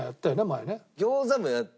前ね。